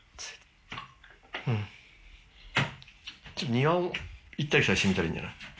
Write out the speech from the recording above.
庭を行ったり来たりしてみたらいいんじゃない？